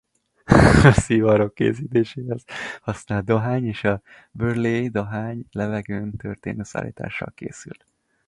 A szivarok készítéséhez használt dohány és a Burley dohány levegőn történő szárítással készül.